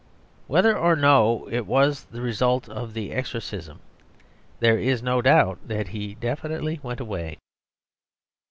Whether or no it was the result of the exorcism, there is no doubt that he definitely went away.